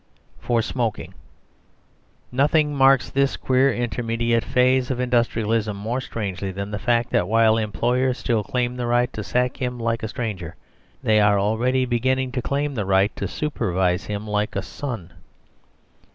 4. For Smoking. Nothing marks this queer intermediate phase of industrialism more strangely than the fact that, while employers still claim the right to sack him like a stranger, they are already beginning to claim the right to supervise him like a son.